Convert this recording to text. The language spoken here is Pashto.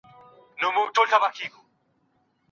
پنجې مه وهئ.